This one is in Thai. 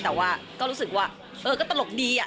แต่ว่าก็รู้สึกว่าเออก็ตลกดี